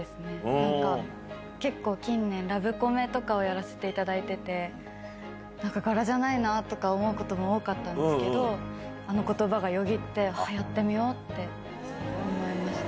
なんか、結構近年、ラブコメとかをやらせていただいてて、なんか柄じゃないなと思うことも多かったんですけど、あのことばがよぎって、やってみようって思いました。